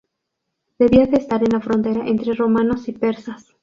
Debía de estar en la frontera entre romanos y persas.